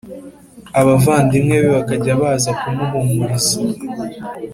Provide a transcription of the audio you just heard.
Abavandimwe be bakajya baza kumuhumuriza